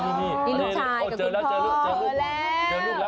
นี่นี่ลูกชายกับคุณพ่อ